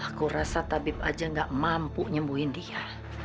aku rasa tabib aja gak mampu nyembuhin dia